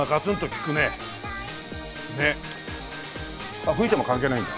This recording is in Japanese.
あっ吹いても関係ないんだ。